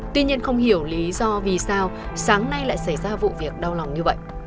tuy nhiên không hiểu lý do vì sao sáng nay lại xảy ra vụ việc đau lòng như vậy